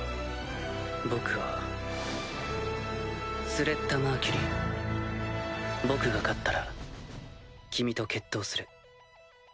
僕はスレッタ・マーキュリー僕が勝ったら君と決闘する。